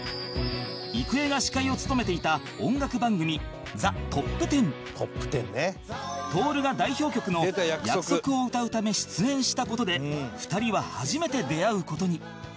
郁恵が司会を務めていた徹が代表曲の『約束』を歌うため出演した事で２人は初めて出会う事に